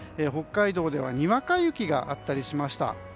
北海道ではにわか雪があったりしました。